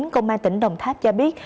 công an tỉnh đồng tháp cho biết